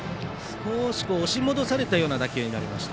少し押し戻されたような打球になりました。